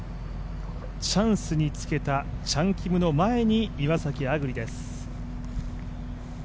チャンスにつけたチャン・キムの前に岩崎亜久竜です